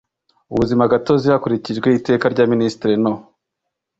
ubuzima gatozi hakurikijwe Iteka rya Minisitiri No